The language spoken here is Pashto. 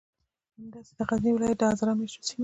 همداسې د غزنی ولایت د هزاره میشتو سیمو